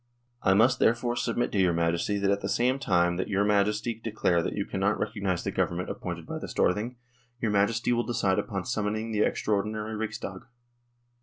I must, therefore, submit to your Majesty that at the same time that your Majesty declare that you cannot recognise the Government THE DISSOLUTION OF THE UNION 117 appointed by the Storthing, your Majesty will decide upon summoning the extraordinary Riksdag."